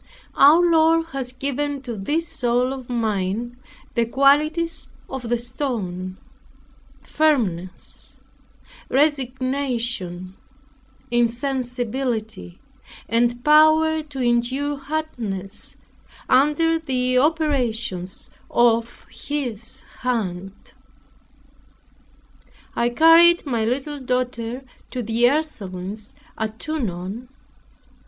Our Lord has given to this soul of mine the qualities of the stone, firmness, resignation, insensibility, and power to endure hardness under the operations of His hand. I carried my little daughter to the Ursulines at Tonon.